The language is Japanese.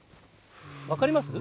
分かります？